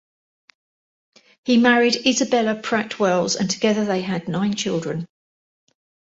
He married Isabella Pratt Welles and together they had nine children.